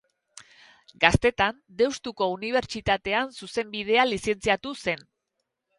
Gaztetan, Deustuko Unibertsitatean Zuzenbidean lizentziatu zen.